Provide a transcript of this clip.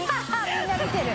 みんな見てる。